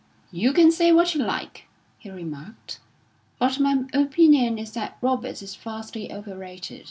"You can say what you like," he remarked, "but my opinion is that Roberts is vastly overrated.